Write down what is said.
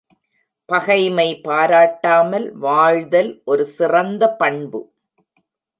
பகைமை பாராட்டாமல் வாழ்தல் ஒரு சிறந்த பண்பு.